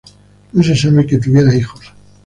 No se sabe que tuviera hijos.